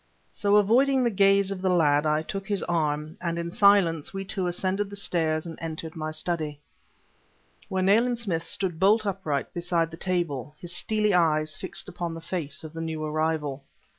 So, avoiding the gaze of the lad, I took his arm, and in silence we two ascended the stairs and entered my study... where Nayland Smith stood bolt upright beside the table, his steely eyes fixed upon the face of the new arrival.